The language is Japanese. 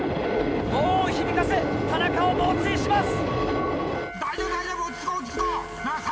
ごう音を響かせ田中を猛追します。